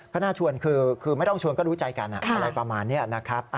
ก็น่าชวนคือไม่ต้องชวนก็รู้ใจกันอะไรประมาณนี้นะครับ